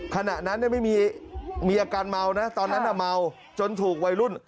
ขณะนั้นไม่มีอาการเมานะตอนนั้นเมาจนถูกวัยรุ่น